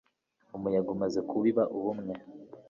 umuyaga umaze kubiba ubumwe